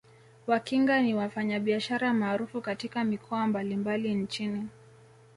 Wakinga ni wafanyabiashara maarufu katika mikoa mbalimbali nchini